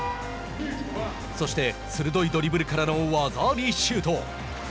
そして鋭いドリブルからの技ありシュート。